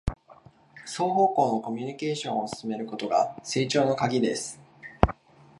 双方向のコミュニケーションを進めることが成長のカギです